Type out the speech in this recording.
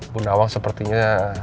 bu nawang sepertinya